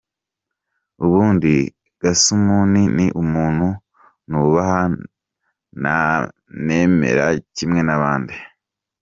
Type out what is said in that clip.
Ubundi Gasumuni ni umuntu nubaha nanemera kimwe n’abandi.